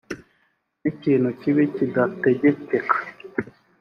ni ikintu kibi kidategekeka